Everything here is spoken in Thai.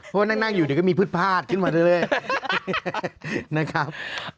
เพราะนะกอยู่เดี๋ยวก็มีพืชพาสขึ้นมาเลยนะครับ